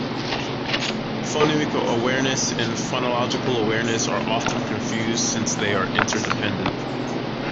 Phonemic awareness and phonological awareness are often confused since they are interdependent.